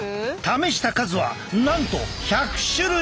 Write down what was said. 試した数はなんと１００種類！